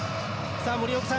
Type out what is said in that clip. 森岡さん